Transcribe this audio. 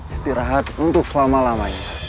istirahat untuk selama lamanya